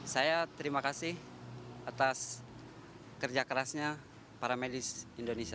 saya terima kasih atas kerja kerasnya para medis indonesia